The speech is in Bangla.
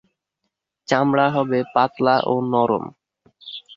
চামড়া হবে পাতলা ও নরম।